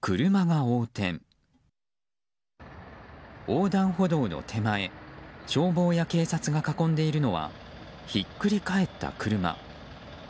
横断歩道の手前消防や警察が囲んでいるのはひっくり返った車。